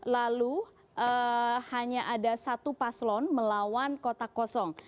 lalu hanya ada satu paslon melawan kota kosong